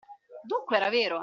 Dunque era vero!